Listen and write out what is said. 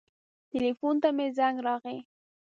ټیلیفون ته مې زنګ راغی.